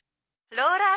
ローラー。